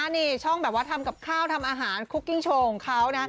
นี่ช่องทำอาหารทำข้าวโฮคกิ้งโชว์ของเขา